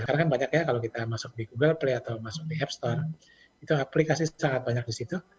karena kan banyak ya kalau kita masuk di google play atau masuk di app store itu aplikasi sangat banyak di situ